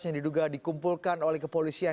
yang diduga dikumpulkan oleh kepolisian